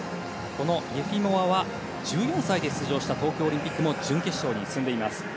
このイェフィモワは１４歳で出場した東京オリンピックも準決勝に進んでいます。